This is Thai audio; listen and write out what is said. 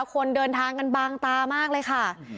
คนเดินทางกันบางตามากเลยค่ะ